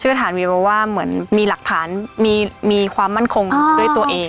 ชื่อฐานวีวว่าเหมือนมีหลักฐานมีมีความมั่นคงด้วยตัวเองอ้าว